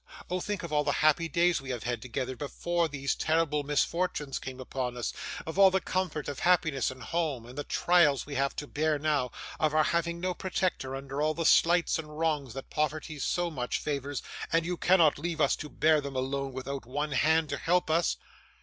Oh! think of all the happy days we have had together, before these terrible misfortunes came upon us; of all the comfort and happiness of home, and the trials we have to bear now; of our having no protector under all the slights and wrongs that poverty so much favours, and you cannot leave us to bear them alone, without one hand to help us.